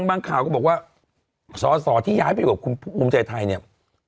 บางข่าวบอกว่าสตรที่ย้ายไปกับกุมใจไทยเนี่ย